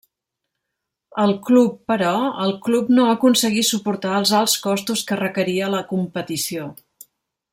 El club, però, el club no aconseguí suportar els alts costos que requeria la competició.